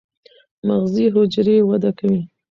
مغزي حجرې وده کوي.